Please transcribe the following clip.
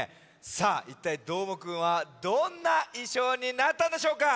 さあいったいどーもくんはどんないしょうになったんでしょうか。